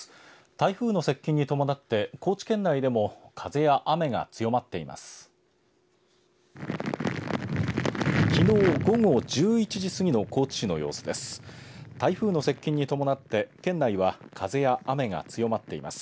台風の接近に伴って高知県内でも風や雨が強まっています。